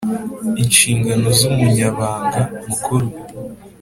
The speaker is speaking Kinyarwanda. Inshingano z umunyabanga mukuru